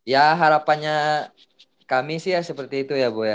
ya harapannya kami sih ya seperti itu ya bu ya